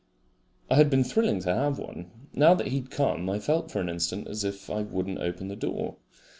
I had been thrilling to have one. Now that he had come I felt for an instant as if I would not open the door.